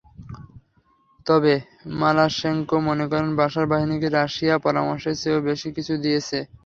তবে মালাশেঙ্কো মনে করেন, বাশার বাহিনীকে রাশিয়া পরামর্শের চেয়েও বেশি কিছু দিয়েছে।